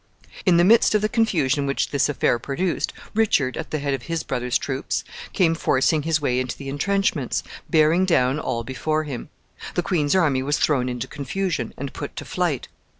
In the midst of the confusion which this affair produced, Richard, at the head of his brother's troops, came forcing his way into the intrenchments, bearing down all before him. The queen's army was thrown into confusion, and put to flight.